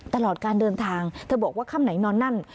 ตลอดการเดินทางเธอบอกว่าค่ำไหนนอนนั่น